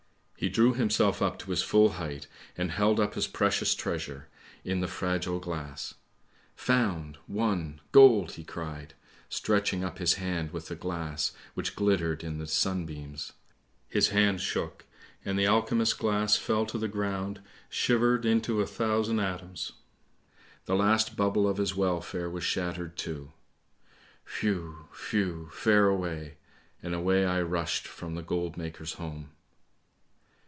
He drew himself up to his full height and held up his precious treasure, in the 1 82 ANDERSEN'S FAIRY TALES fragile glass :' Found ! won ! gold !' he cried, stretching up his hand with the glass which glittered in the sunbeams: his hand shook, and the alchemist's glass fell to the ground shivered into a thousand atoms. The last bubble of his welfare was shattered too. Whew! whew! fare away! and away I rushed from the goldmaker's home.